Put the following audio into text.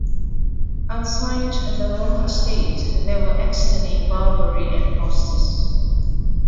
Outside the Roman state, there were "externi", "barbari" and "hostes".